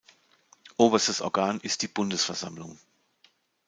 Oberstes Organ ist die Bundesversammlung.